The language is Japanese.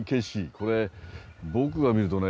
これ僕が見るとね